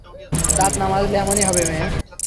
দাঁত না মাজলে এমনই হবে, মেয়ে।